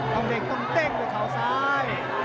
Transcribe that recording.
ของเด็กต้นเต้นด้วยขาวซ้าย